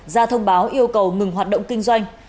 ra thông báo yêu cầu ngừng hoạt động kinh doanh